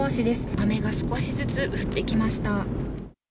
雨が少しずつ降ってきました。